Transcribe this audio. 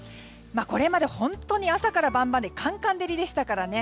これまで、本当に朝から晩までかんかん照りでしたからね。